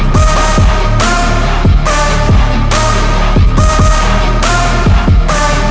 ya ampun mita